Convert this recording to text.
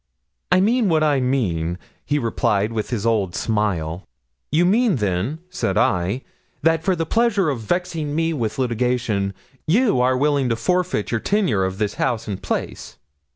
'"I mean what I mean," he replied, with his old smile. '"You mean then," said I, "that for the pleasure of vexing me with litigation, you are willing to forfeit your tenure of this house and place."